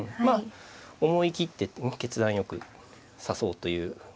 まあ思い切って決断よく指そうという。